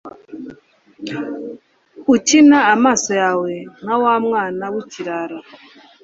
ukina amaso yawe nka wa mwana w'ikirara